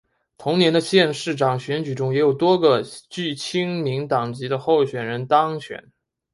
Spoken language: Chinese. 同年的县市长选举中也有多个具亲民党籍的候选人当选。